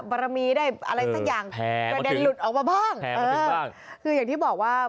บรมีได้อะไรสักอย่างแผงออกมาบ้างแผงมาถึงบ้างคืออย่างที่บอกว่า